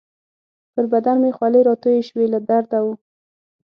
پر بدن مې خولې راتویې شوې، له درده وو.